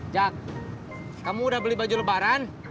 jak kamu udah beli baju lebaran